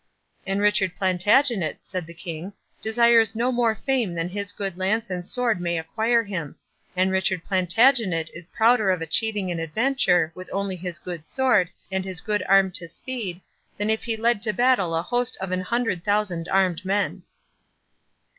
"And Richard Plantagenet," said the King, "desires no more fame than his good lance and sword may acquire him—and Richard Plantagenet is prouder of achieving an adventure, with only his good sword, and his good arm to speed, than if he led to battle a host of an hundred thousand armed men."